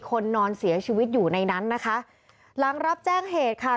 คนนอนเสียชีวิตอยู่ในนั้นนะคะหลังรับแจ้งเหตุค่ะ